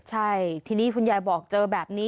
ใช่ทีนี้คุณยายบอกเจอแบบนี้